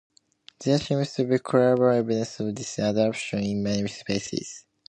There seems to be clear evidence of this adaptation in many species.